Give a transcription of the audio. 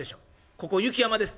ここ雪山です。